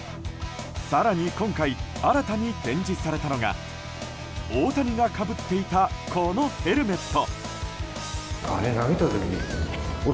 更に、今回新たに展示されたのが大谷がかぶっていたこのヘルメット。